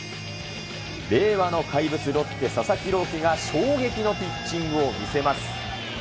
令和の怪物、ロッテ、佐々木朗希が衝撃のピッチングを見せます。